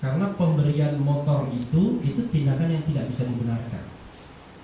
karena pemberian motor itu itu tindakan yang tidak bisa dibenarkan